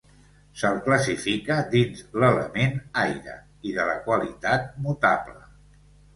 Se'l classifica dins l'element aire i de la qualitat mutable.